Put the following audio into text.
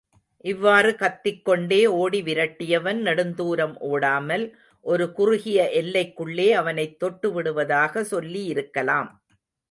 இவ்வாறு கத்திக்கொண்டே ஓடி விரட்டியவன் நெடுந்துாரம் ஓடாமல், ஒரு குறுகிய எல்லைக்குள்ளே அவனைத் தொட்டுவிடுவதாக சொல்லியிருக்கலாம்.